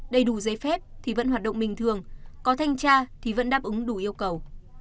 đầy đủ giấy phép thì vẫn hoạt động bình thường có thanh tra thì vẫn đáp ứng đủ yêu cầu